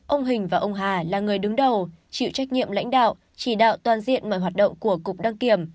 ông hình và ông hà là người đứng đầu chịu trách nhiệm lãnh đạo chỉ đạo toàn diện mọi hoạt động của cục đăng kiểm